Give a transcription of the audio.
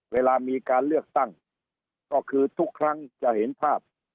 เวลามีการเลือกตั้งก็คือทุกครั้งจะเห็นภาพ